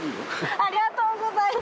ありがとうございます。